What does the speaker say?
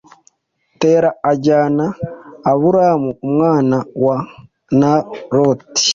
Tera ajyana Aburamu umwana we na Loti